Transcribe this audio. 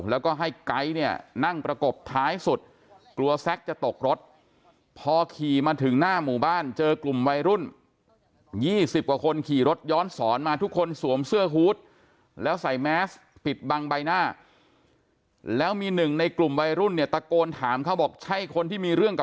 แล้วก็ให้ไก้เนี่ยนั่งประกบท้ายสุดกลัวแซคจะตกรถพอขี่มาถึงหน้าหมู่บ้านเจอกลุ่มวายรุ่น